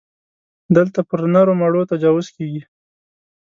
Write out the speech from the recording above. دلته پر نرو مړو تجاوز کېږي.